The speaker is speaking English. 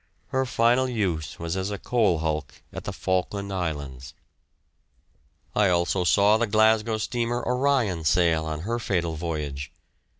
Her final use was as a coal hulk at the Falkland Islands. I also saw the Glasgow steamer "Orion" sail on her fatal voyage.